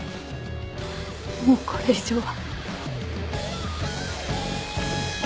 もうこれ以上は。